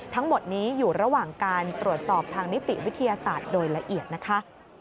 ทั้งหมดนี้อยู่ระหว่างการตรวจสอบทางนิติวิทยาศาสตร์โดยละเอียดนะคะ